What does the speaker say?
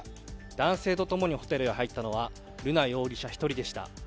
男性とともにホテルへ入ったのは瑠奈容疑者１人でした。